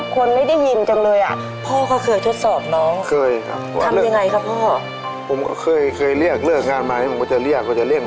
ผมเรียกเรียกเขาก็ไม่หัน